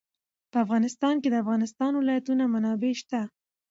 په افغانستان کې د د افغانستان ولايتونه منابع شته.